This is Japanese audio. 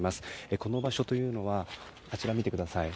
この場所というのはあちらを見てください。